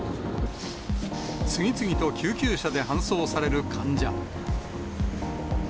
次々と救急車で搬送される患者。